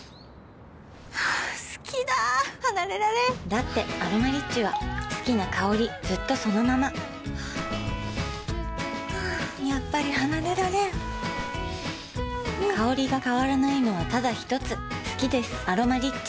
好きだ離れられんだって「アロマリッチ」は好きな香りずっとそのままやっぱり離れられん香りが変わらないのはただひとつ好きです「アロマリッチ」